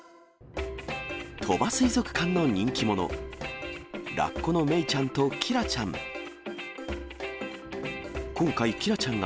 鳥羽水族館の人気者、ラッコのメイちゃんとキラちゃん。